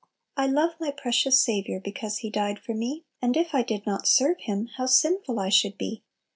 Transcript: "I love my precious Saviour Because He died for me; And if I did not serve Him, How sinful I should be!